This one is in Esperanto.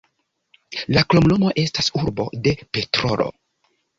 La kromnomo estas "urbo de petrolo".